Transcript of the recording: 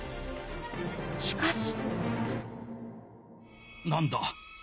しかし。